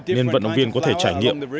nên vận động viên có thể trải nghiệm